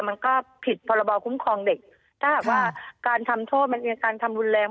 มันก็ผิดพรบคุ้มครองเด็กถ้าหากว่าการทำโทษมันมีการทำรุนแรง